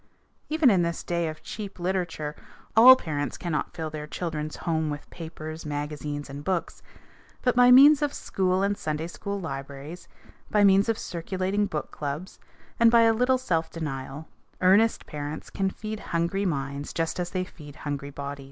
Even in this day of cheap literature, all parents cannot fill their children's home with papers, magazines, and books, but by means of school and Sunday school libraries, by means of circulating book clubs, and by a little self denial, earnest parents can feed hungry minds just as they feed hungry bodies.